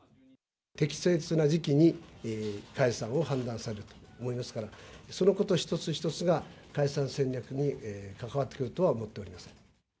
適切な時期に解散を判断されると思いますから、そのこと一つ一つが、解散戦略に関わってくるとは思っておりません。